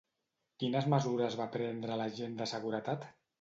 Quines mesures va prendre l'agent de seguretat?